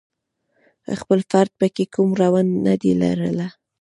خپله فرد پکې کوم رول ندی لرلای.